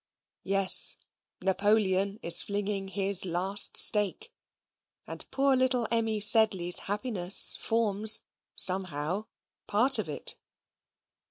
Yes; Napoleon is flinging his last stake, and poor little Emmy Sedley's happiness forms, somehow, part of it.